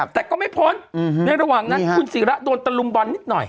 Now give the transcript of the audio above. แต่ก็ไม่พ้นในระหว่างนั้นคุณศิระโดนตะลุมบอลนิดหน่อย